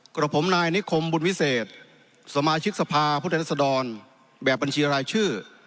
กระผมนายนิคมบุญวิเศษสมาชิกสภาพุทธรัศดรแบบบัญชีรายชื่อ